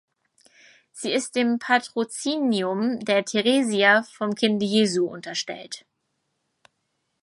Sie ist dem Patrozinium der Theresia vom Kinde Jesu unterstellt.